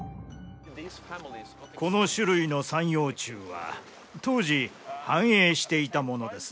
この種類の三葉虫は当時繁栄していたものです。